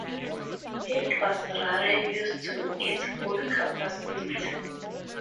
It was rarely used to its full capacity.